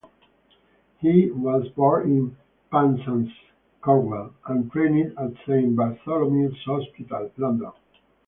He was born in Penzance, Cornwall and trained at Saint Bartholomew's Hospital, London.